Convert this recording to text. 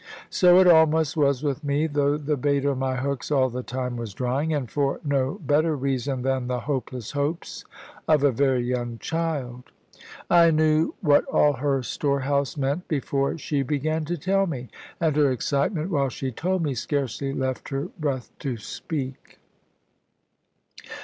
So it almost was with me (though the bait on my hooks all the time was drying), and for no better reason than the hopeless hopes of a very young child. I knew what all her storehouse meant before she began to tell me. And her excitement while she told me scarcely left her breath to speak.